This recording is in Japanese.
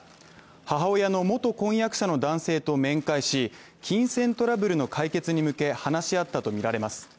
母親の元婚約者の男性と面会し、金銭トラブルの解決に向け話し合ったとみられます。